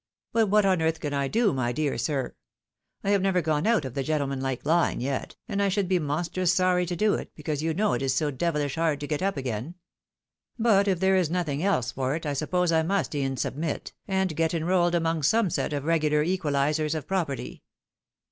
But what on earth can I do, my dear sir ? I have never gone out of the gentlemanlike line yet, and I should be monstrous sorry to do it, because you know it is so devilish hard to get up again. But if there is nothing else for it, I suppose I must e'en submit, and get enrolled among some set of regular equalisers of property.